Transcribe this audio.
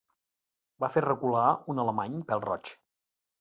Va fer recular un alemany pèl-roig